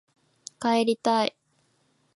帰りたい